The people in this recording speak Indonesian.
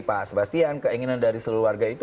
pak sebastian keinginan dari seluruh warga itu